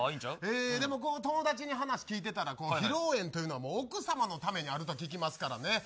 でも友達に話、聞いてたら披露宴というものは奥さまのためにあると聞きますからね。